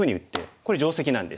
これ定石なんです。